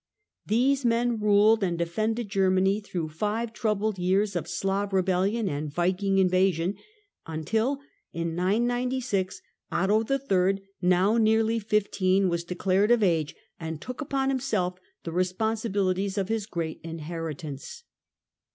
These men ruled and defended Germany through five troubled years of Slav rebellion and Viking invasion, until in 996 Otto III., now nearly fifteen, was declared of age, and took upon himself the responsibilities of his great inheritance.